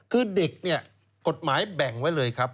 คือเด็กเนี่ยกฎหมายแบ่งไว้เลยครับ